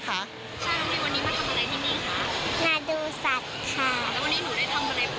หนาดูสัตว์